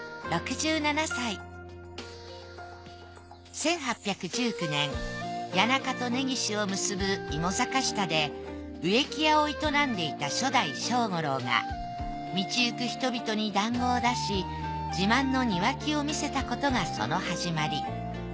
１８１９年谷中と根岸を結ぶ芋坂下で植木屋を営んでいた初代庄五郎が道行く人々に団子を出し自慢の庭木を見せたことがその始まり。